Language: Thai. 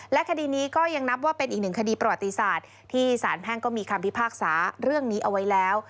และคดีนี้ก็ยังนับว่าเป็นอีกหนึ่งคดีประวัติศาสตร์ที่สารแพ่งก็มีคำพิพากษาเรื่องนี้เอาไว้แล้ว